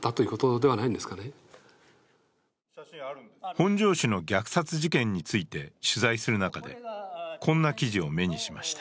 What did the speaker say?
本庄市の虐殺事件について取材する中で、こんな記事を目にしました。